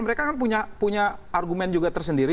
mereka kan punya argumen juga tersendiri